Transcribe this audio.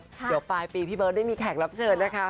เดี๋ยวปลายปีพี่เบิร์ตได้มีแขกรับเชิญนะคะ